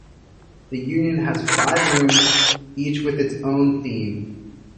The Union has five rooms, each with its own theme.